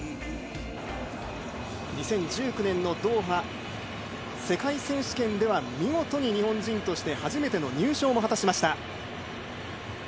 ２０１９年のドーハ世界選手権では見事、日本人として初めての入賞も果たしました。